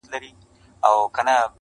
په سونډو کي چي ولگېدی زوز په سجده کي-